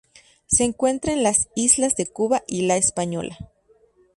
Se encuentra en las islas de Cuba y La Española.